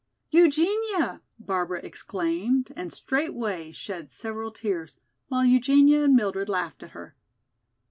"Eugenia!" Barbara exclaimed, and straightway shed several tears, while Eugenia and Mildred laughed at her.